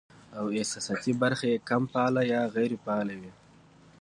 او احساساتي برخه ئې کم فعاله يا غېر فعاله وي